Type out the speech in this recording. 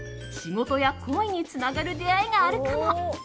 仕事や恋につながる出会いがあるかも。